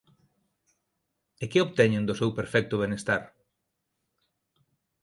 E que obteñen do seu perfecto benestar?"".